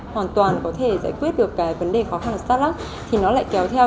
hoàn toàn có thể giải quyết được cái vấn đề khó khăn ở start up thì nó lại kéo theo